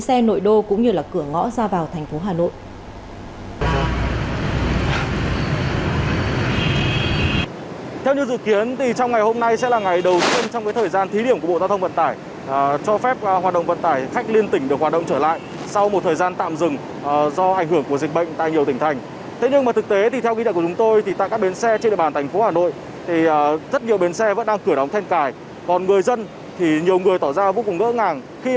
xe video cũng như là cửa ngõ ra vào thành phố hà nội